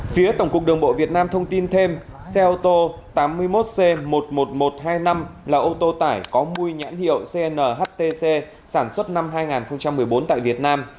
phía tổng cục đường bộ việt nam thông tin thêm xe ô tô tám mươi một c một mươi một nghìn một trăm hai mươi năm là ô tô tải có mùi nhãn hiệu cnhtc sản xuất năm hai nghìn một mươi bốn tại việt nam